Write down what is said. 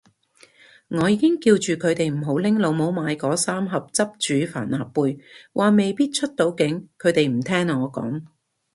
我已經叫住佢哋唔好拎老母買嗰三盒汁煮帆立貝，話未必出到境，佢哋唔聽我講